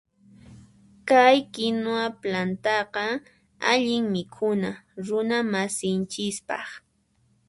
kay kinuwa plantaqa, allin mikhuna runa masinchispaq.